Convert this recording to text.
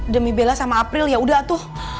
demi bela sama april yaudah tuh